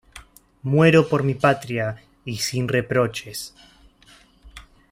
Muero por mi patria y sin reproches.